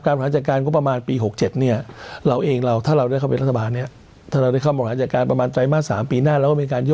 การผลัดจัดการก็ประมาณปี๖๗เนี่ย